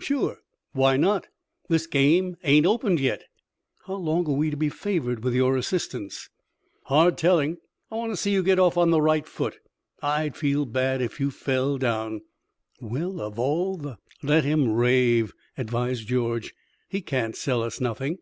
"Sure! Why not? This game ain't opened yet." "How long are we to be favored with your assistance?" "Hard telling. I want to see you get off on the right foot; I'd feel bad if you fell down." "Well, of all " "Let him rave," advised George. "He can't sell us nothing."